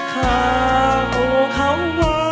ถ้าคุณเขาว่ะ